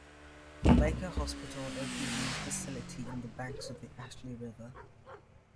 Baker Hospital opened a new facility on the banks of the Ashley River.